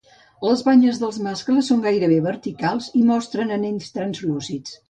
Les banyes dels mascles són gairebé verticals i mostren anells translúcids.